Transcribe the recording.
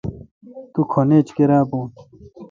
تم کھن ایچ کیرا بھون۔